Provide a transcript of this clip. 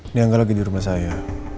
dia gak lagi di rumah saya